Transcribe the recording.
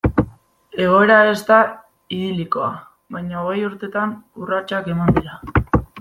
Egoera ez da idilikoa, baina hogei urtetan urratsak eman dira.